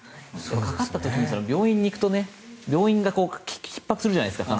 かかった時に病院に行くと病院がひっ迫するじゃないですか。